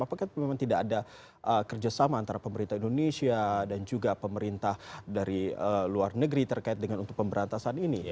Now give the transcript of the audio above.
apakah memang tidak ada kerjasama antara pemerintah indonesia dan juga pemerintah dari luar negeri terkait dengan untuk pemberantasan ini